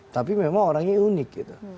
tapi memang orangnya unik gitu